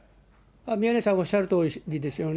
宮根さんおっしゃるとおりですよね。